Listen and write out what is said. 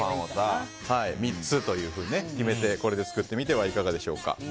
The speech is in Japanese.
３つというふうに決めてこれで作ってみてはいかがでしょうか。